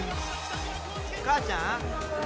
母ちゃん？